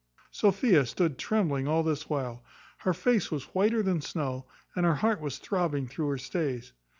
Sophia stood trembling all this while. Her face was whiter than snow, and her heart was throbbing through her stays.